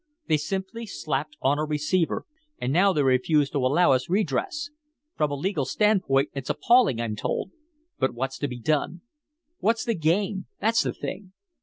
They simply slapped on a receiver, and now they refuse to allow us redress. From a legal stand point, it's appalling, I'm told but what's to be done? What's the game? That's the thing.